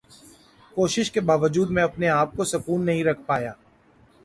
کوشش کے باوجود میں اپنے آپ کو سکون نہیں رکھ پایا۔